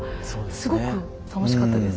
すごく楽しかったです。